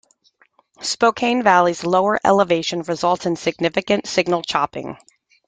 Spokane Valley's lower elevation results in significant signal chopping.